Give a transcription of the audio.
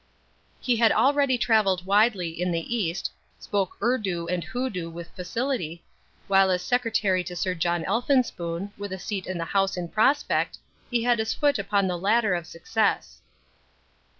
He had already travelled widely in the East, spoke Urdu and Hoodoo with facility, while as secretary to Sir John Elphinspoon, with a seat in the House in prospect, he had his foot upon the ladder of success.